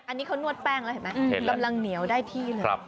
อันนี้เขานวดแป้งแล้วเห็นไหมกำลังเหนียวได้ที่เลย